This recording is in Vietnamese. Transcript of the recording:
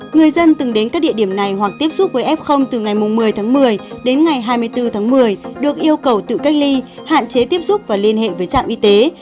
người dân từng đến các địa điểm này hoặc tiếp xúc với f từ ngày một mươi tháng một mươi đến ngày hai mươi bốn tháng một mươi được yêu cầu tự cách ly hạn chế tiếp xúc và liên hệ với trạm y tế